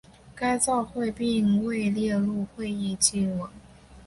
该照会并未列入会议记文。